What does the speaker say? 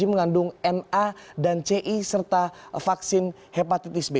mengandung na dan ci serta vaksin hepatitis b